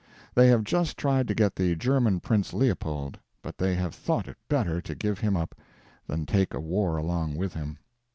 They have just tried to get the German Prince Leopold; but they have thought it better to give him up than take a war along with him.